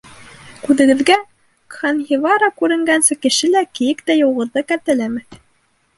Күҙегеҙгә Кһанһи-вара күренгәнсе кеше лә, кейек тә юлығыҙҙы кәртәләмәҫ.